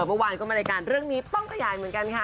เมื่อวานก็มารายการเรื่องนี้ต้องขยายเหมือนกันค่ะ